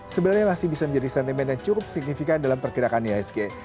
sebenarnya masih bisa menjadi sentimen yang cukup signifikan dalam pergerakan ihsg